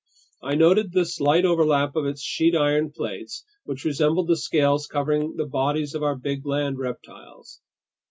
I noted the slight overlap of its sheet iron plates, which resembled the scales covering the bodies of our big land reptiles.